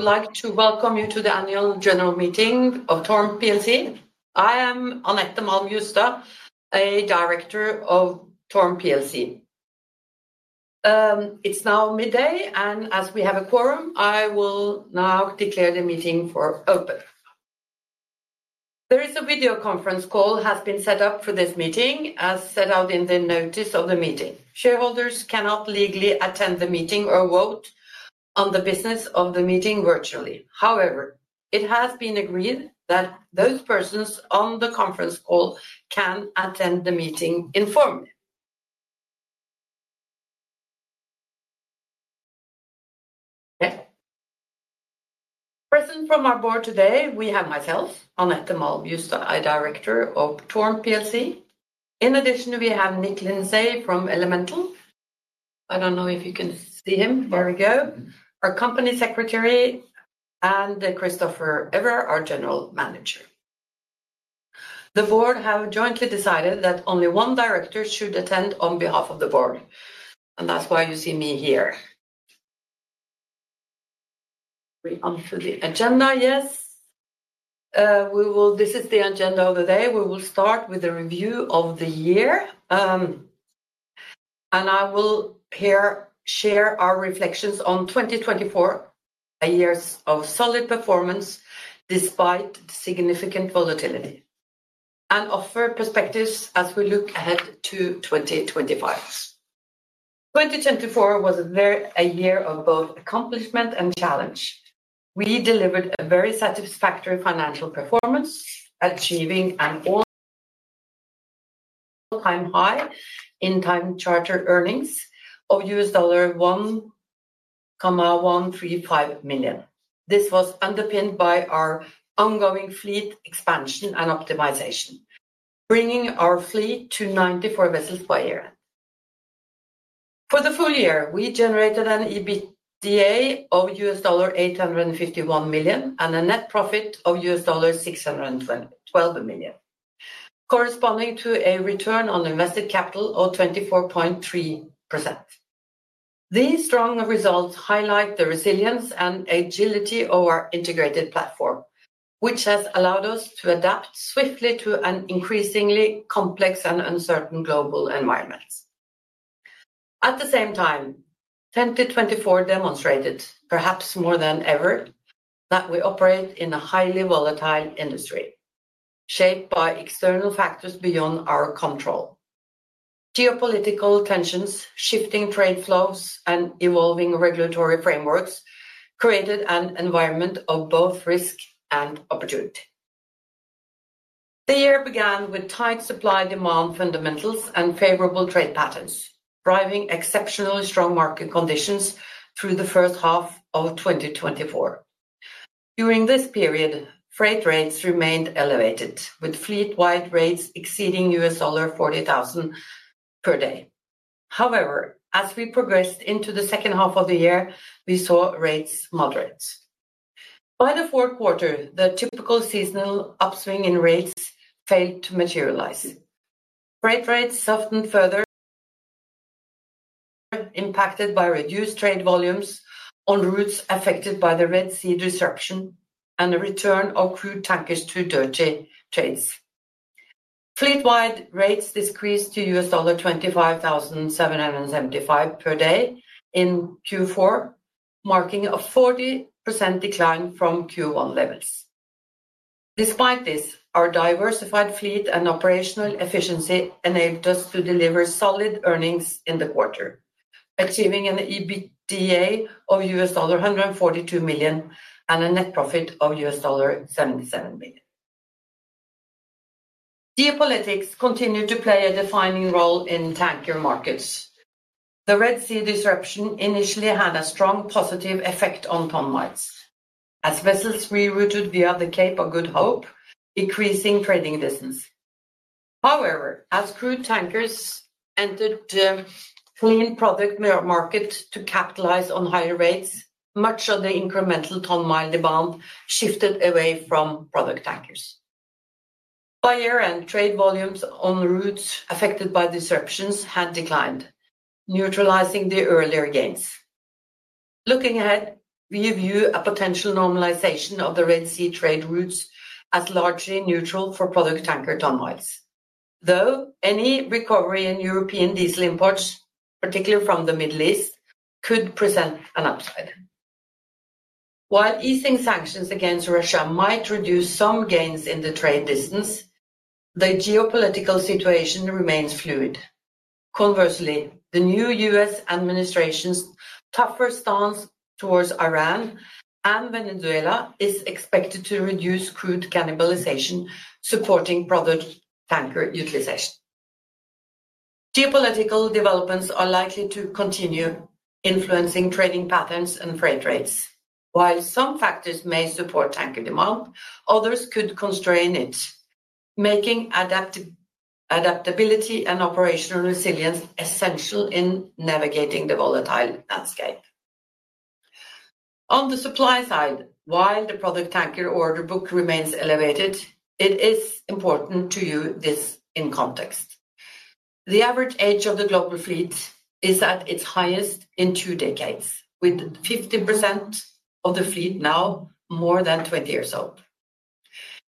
I would like to welcome you to the annual general meeting of TORM PLC. I am Annette Malm Justad, a director of TORM PLC. It's now midday, and as we have a quorum, I will now declare the meeting open. There is a video conference call that has been set up for this meeting, as set out in the notice of the meeting. Shareholders cannot legally attend the meeting or vote on the business of the meeting virtually. However, it has been agreed that those persons on the conference call can attend the meeting informally. Okay. Present from our board today, we have myself, Annette Malm Justad, director of TORM PLC. In addition, we have Nick Lindsay from Elemental. I don't know if you can see him. There we go. Our company secretary and Christopher Everard, our general manager. The board has jointly decided that only one director should attend on behalf of the board, and that's why you see me here. We come to the agenda. Yes. This is the agenda of the day. We will start with a review of the year, and I will here share our reflections on 2024, a year of solid performance despite significant volatility, and offer perspectives as we look ahead to 2025. 2024 was a year of both accomplishment and challenge. We delivered a very satisfactory financial performance, achieving an all-time high in time-charter earnings of $1,135 million. This was underpinned by our ongoing fleet expansion and optimization, bringing our fleet to 94 vessels per year. For the full year, we generated an EBITDA of $851 million and a net profit of $612 million, corresponding to a return on invested capital of 24.3%. These strong results highlight the resilience and agility of our integrated platform, which has allowed us to adapt swiftly to an increasingly complex and uncertain global environment. At the same time, 2024 demonstrated, perhaps more than ever, that we operate in a highly volatile industry shaped by external factors beyond our control. Geopolitical tensions, shifting trade flows, and evolving regulatory frameworks created an environment of both risk and opportunity. The year began with tight supply-demand fundamentals and favorable trade patterns, driving exceptionally strong market conditions through the first half of 2024. During this period, freight rates remained elevated, with fleet-wide rates exceeding $40,000 per day. However, as we progressed into the second half of the year, we saw rates moderate. By the fourth quarter, the typical seasonal upswing in rates failed to materialize. Freight rates softened further, impacted by reduced trade volumes on routes affected by the Red Sea disruption and the return of crude tankers to dirty trades. Fleet-wide rates decreased to $25,775 per day in Q4, marking a 40% decline from Q1 levels. Despite this, our diversified fleet and operational efficiency enabled us to deliver solid earnings in the quarter, achieving an EBITDA of $142 million and a net profit of $77 million. Geopolitics continued to play a defining role in tanker markets. The Red Sea disruption initially had a strong positive effect on ton-miles, as vessels rerouted via the Cape of Good Hope, increasing trading distance. However, as crude tankers entered the clean product market to capitalize on higher rates, much of the incremental ton-mile demand shifted away from product tankers. By year-end, trade volumes on routes affected by disruptions had declined, neutralizing the earlier gains. Looking ahead, we view a potential normalization of the Red Sea trade routes as largely neutral for product tanker ton-miles, though any recovery in European diesel imports, particularly from the Middle East, could present an upside. While easing sanctions against Russia might reduce some gains in the trade distance, the geopolitical situation remains fluid. Conversely, the new U.S. administration's tougher stance towards Iran and Venezuela is expected to reduce crude cannibalization supporting product tanker utilization. Geopolitical developments are likely to continue influencing trading patterns and freight rates. While some factors may support tanker demand, others could constrain it, making adaptability and operational resilience essential in navigating the volatile landscape. On the supply side, while the product tanker order book remains elevated, it is important to view this in context. The average age of the global fleet is at its highest in two decades, with 50% of the fleet now more than 20 years old.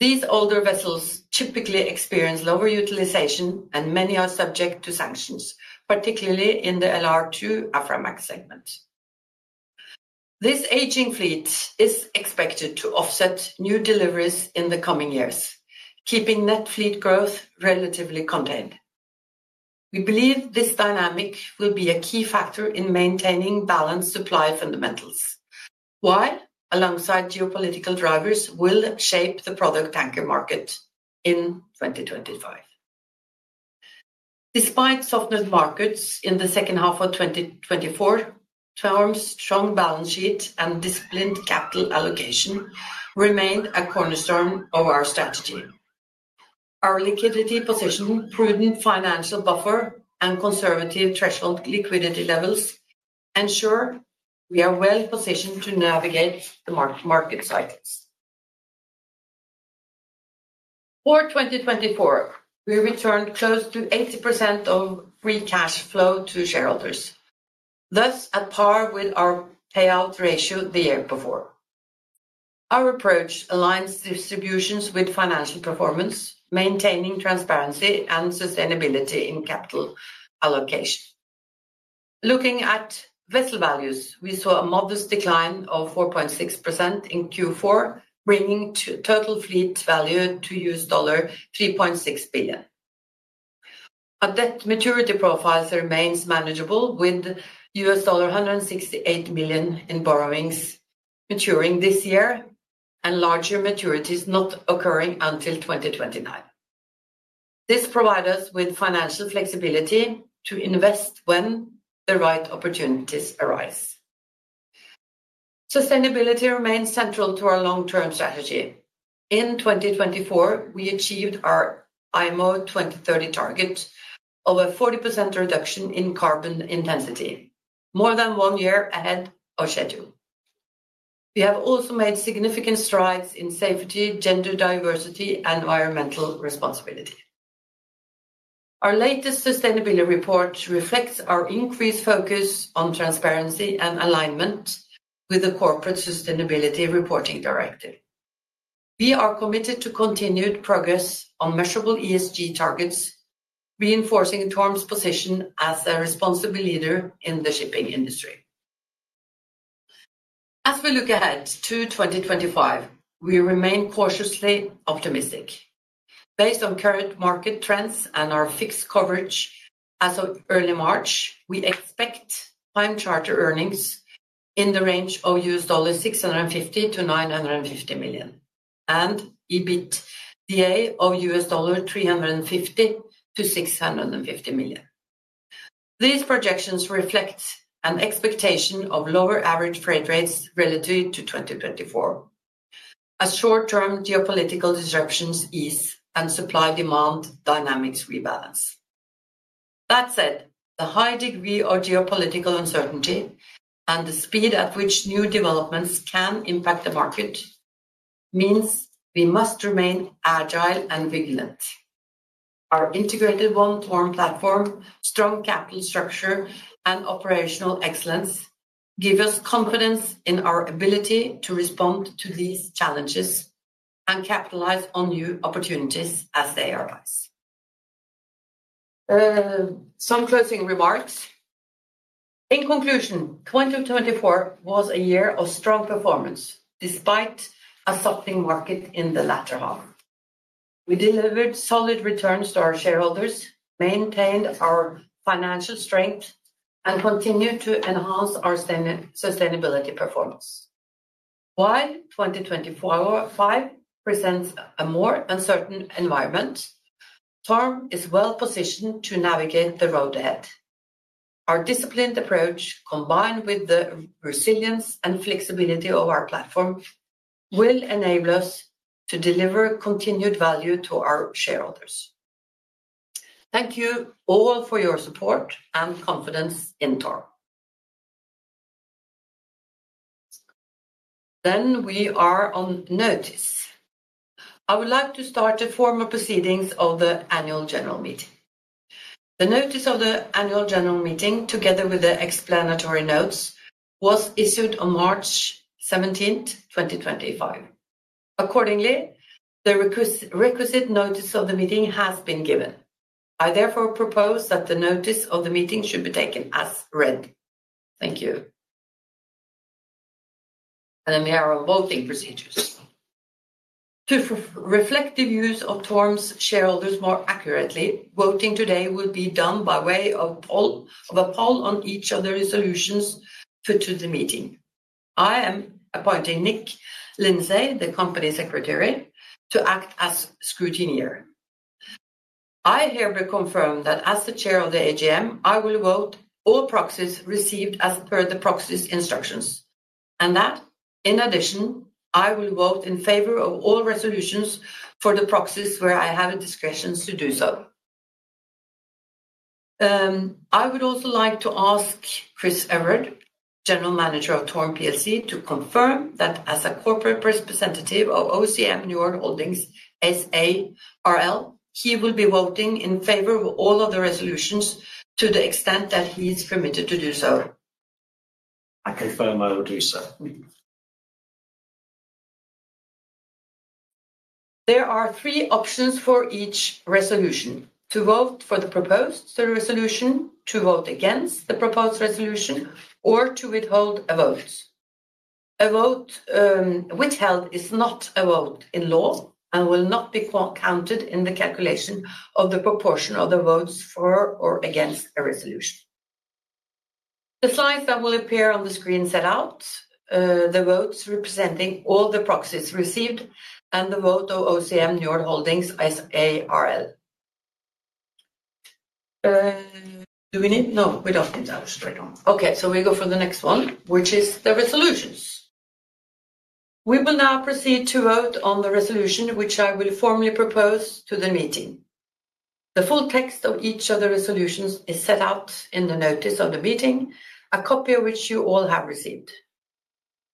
These older vessels typically experience lower utilization, and many are subject to sanctions, particularly in the LR2 Aframax segment. This aging fleet is expected to offset new deliveries in the coming years, keeping net fleet growth relatively contained. We believe this dynamic will be a key factor in maintaining balanced supply fundamentals, while, alongside geopolitical drivers, will shape the product tanker market in 2025. Despite softened markets in the second half of 2024, TORM's strong balance sheet and disciplined capital allocation remain a cornerstone of our strategy. Our liquidity position, prudent financial buffer, and conservative threshold liquidity levels ensure we are well positioned to navigate the market cycles. For 2024, we returned close to 80% of free cash flow to shareholders, thus at par with our payout ratio the year before. Our approach aligns distributions with financial performance, maintaining transparency and sustainability in capital allocation. Looking at vessel values, we saw a modest decline of 4.6% in Q4, bringing total fleet value to $3.6 billion. Debt maturity profiles remain manageable, with $168 million in borrowings maturing this year and larger maturities not occurring until 2029. This provides us with financial flexibility to invest when the right opportunities arise. Sustainability remains central to our long-term strategy. In 2024, we achieved our IMO 2030 target of a 40% reduction in carbon intensity, more than one year ahead of schedule. We have also made significant strides in safety, gender diversity, and environmental responsibility. Our latest sustainability report reflects our increased focus on transparency and alignment with the Corporate Sustainability Reporting Directive. We are committed to continued progress on measurable ESG targets, reinforcing TORM's position as a responsible leader in the shipping industry. As we look ahead to 2025, we remain cautiously optimistic. Based on current market trends and our fixed coverage as of early March, we expect time-charter earnings in the range of $650 million-$950 million and EBITDA of $350 million-$650 million. These projections reflect an expectation of lower average freight rates relative to 2024, as short-term geopolitical disruptions ease and supply-demand dynamics rebalance. That said, the high degree of geopolitical uncertainty and the speed at which new developments can impact the market means we must remain agile and vigilant. Our integrated One TORM platform, strong capital structure, and operational excellence give us confidence in our ability to respond to these challenges and capitalize on new opportunities as they arise. Some closing remarks. In conclusion, 2024 was a year of strong performance despite a softening market in the latter half. We delivered solid returns to our shareholders, maintained our financial strength, and continued to enhance our sustainability performance. While 2025 presents a more uncertain environment, TORM is well positioned to navigate the road ahead. Our disciplined approach, combined with the resilience and flexibility of our platform, will enable us to deliver continued value to our shareholders. Thank you all for your support and confidence in TORM. We are on notice. I would like to start the formal proceedings of the annual general meeting. The notice of the annual general meeting, together with the explanatory notes, was issued on March 17th, 2025. Accordingly, the requisite notice of the meeting has been given. I therefore propose that the notice of the meeting should be taken as read. Thank you. We are on voting procedures. To reflect the views of TORM's shareholders more accurately, voting today will be done by way of a poll on each of the resolutions put to the meeting. I am appointing Nick Lindsay, the Company Secretary, to act as scrutineer. I hereby confirm that as the Chair of the AGM, I will vote all proxies received as per the proxies' instructions, and that, in addition, I will vote in favor of all resolutions for the proxies where I have a discretion to do so. I would also like to ask Chris Everard, General Manager of TORM, to confirm that as a corporate representative of OCM Njord Holdings SARL, he will be voting in favor of all of the resolutions to the extent that he is permitted to do so. I confirm I will do so. There are three options for each resolution: to vote for the proposed resolution, to vote against the proposed resolution, or to withhold a vote. A vote withheld is not a vote in law and will not be counted in the calculation of the proportion of the votes for or against a resolution. The slides that will appear on the screen set out the votes representing all the proxies received and the vote of OCM New World Holdings SARL. Do we need? No, we don't need that straight on. Okay, we go for the next one, which is the resolutions. We will now proceed to vote on the resolution which I will formally propose to the meeting. The full text of each of the resolutions is set out in the notice of the meeting, a copy of which you all have received.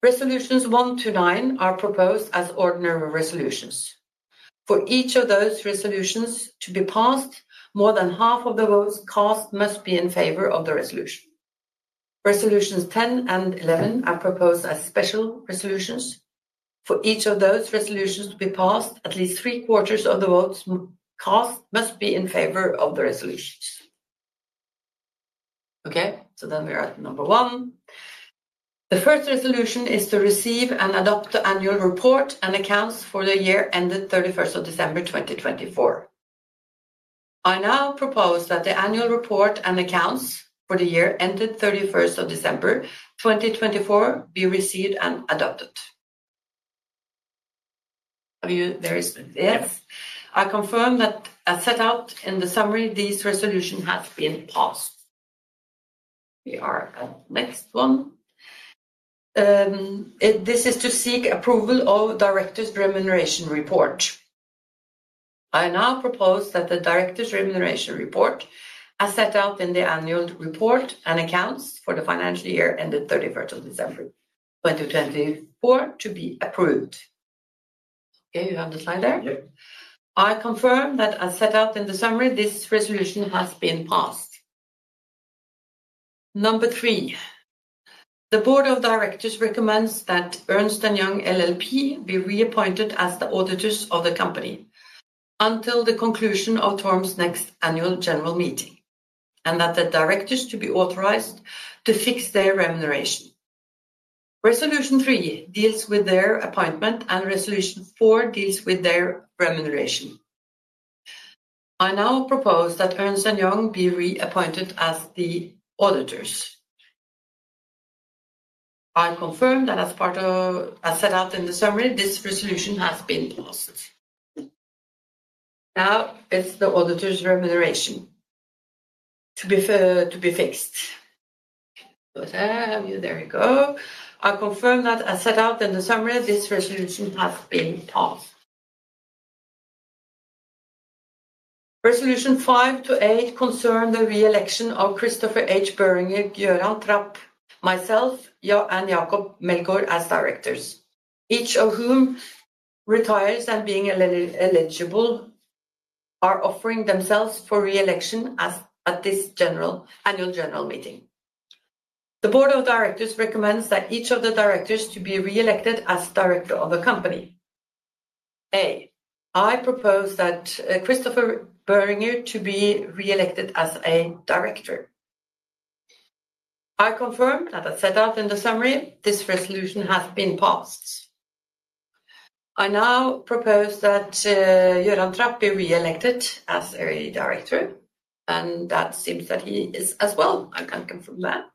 Resolutions one to nine are proposed as ordinary resolutions. For each of those resolutions to be passed, more than half of the votes cast must be in favor of the resolution. Resolutions 10 and 11 are proposed as special resolutions. For each of those resolutions to be passed, at least three quarters of the votes cast must be in favor of the resolutions. Okay, we are at number one. The first resolution is to receive and adopt the annual report and accounts for the year ended 31st December 2024. I now propose that the annual report and accounts for the year ended 31st December 2024 be received and adopted. Are you there? Yes. I confirm that as set out in the summary, these resolutions have been passed. We are at the next one. This is to seek approval of directors' remuneration report. I now propose that the directors' remuneration report as set out in the annual report and accounts for the financial year ended 31st December 2024 to be approved. Okay, you have the slide there? Yep. I confirm that as set out in the summary, this resolution has been passed. Number three. The board of directors recommends that Ernst & Young LLP be reappointed as the auditors of the company until the conclusion of TORM's next annual general meeting, and that the directors to be authorized to fix their remuneration. Resolution three deals with their appointment, and resolution four deals with their remuneration. I now propose that Ernst & Young be reappointed as the auditors. I confirm that as part of as set out in the summary, this resolution has been passed. Now it's the auditor's remuneration to be fixed. There you go. I confirm that as set out in the summary, this resolution has been passed. Resolution five to eight concern the reelection of Christopher H. Boehringer,, myself, and Jacob Meldgaard as directors, each of whom retires and being eligible are offering themselves for re-election at this general annual general meeting. The board of directors recommends that each of the directors to be re-elected as director of a company. A, I propose that Christopher Boehringer to be reelected as a director. I confirm that as set out in the summary, this resolution has been passed. I now propose that Göran Trapp be re-elected as a director, and that seems that he is as well. I can confirm that.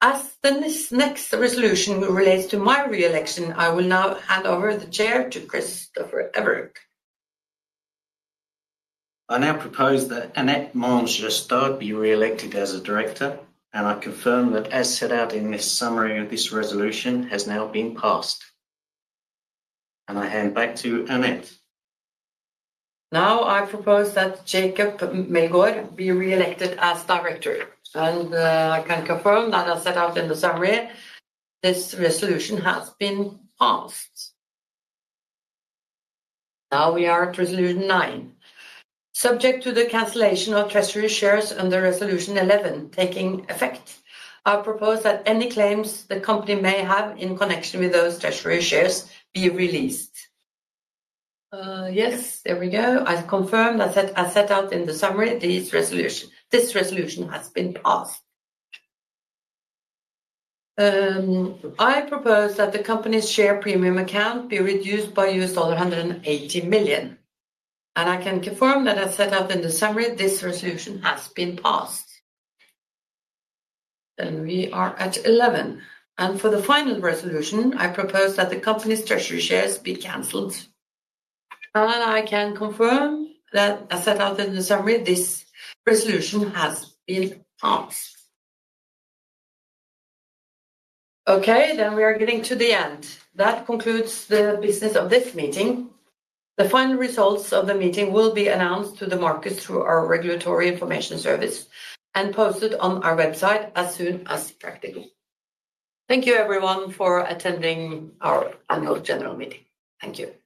As the next resolution relates to my re-election, I will now hand over the chair to Christopher Everard. I now propose that Annette Malm Justad be re-elected as a director, and I confirm that as set out in this summary, this resolution has now been passed. I hand back to Annette. I now propose that Jacob Meldgaard be re-elected as director, and I can confirm that as set out in the summary, this resolution has been passed. We are at resolution nine. Subject to the cancellation of treasury shares under resolution 11 taking effect, I propose that any claims the company may have in connection with those treasury shares be released. Yes, there we go. I confirm that as set out in the summary, this resolution has been passed. I propose that the company's share premium account be reduced by $180 million, and I can confirm that as set out in the summary, this resolution has been passed. We are at 11. For the final resolution, I propose that the company's treasury shares be cancelled. I can confirm that as set out in the summary, this resolution has been passed. We are getting to the end. That concludes the business of this meeting. The final results of the meeting will be announced to the market through our regulatory information service and posted on our website as soon as practically. Thank you, everyone, for attending our annual general meeting. Thank you.